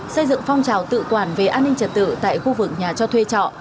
xây dựng phong trào tự quản về an ninh trật tự tại khu vực nhà cho thuê trọ